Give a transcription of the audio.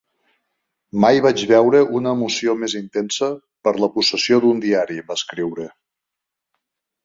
"Mai vaig veure una emoció més intensa per la possessió d'un diari", va escriure.